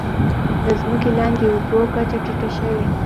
د ځمکې لاندې اوبو کچه ټیټه شوې؟